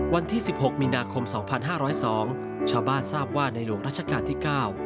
วันที่สิบหกมีนาคมสองพันห้าร้อยสองชาวบ้านทราบว่าในหลวงรัชกาลที่เก้า